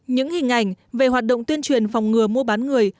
những hình ảnh về hoạt động tuyên truyền phòng ngừa mua bán người